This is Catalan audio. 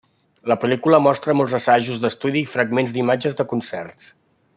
La pel·lícula mostra molts assajos d'estudi i fragments d'imatges de concerts.